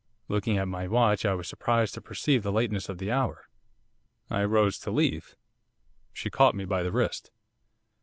Looking at my watch I was surprised to perceive the lateness of the hour. I rose to leave. She caught me by the wrist.